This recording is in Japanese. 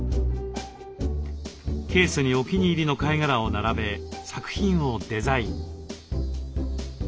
ケースにお気に入りの貝殻を並べ作品をデザイン。